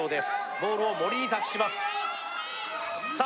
ボールを森に託しますさあ